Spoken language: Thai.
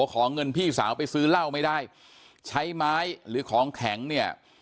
ขอเงินพี่สาวไปซื้อเหล้าไม่ได้ใช้ไม้หรือของแข็งเนี่ย